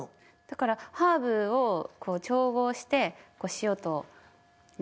だからハーブを調合して塩と混ぜてて。